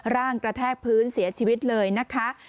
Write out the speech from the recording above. ร่างกระแทกพื้นเสียชีวิตเลยนะคะ